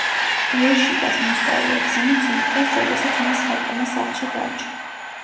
უეშიბას მოსწავლე იხსენებს იმ დღეს, როდესაც მას ჰაკამა სახლში დარჩა.